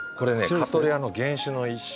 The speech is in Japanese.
カトレアの原種の一種。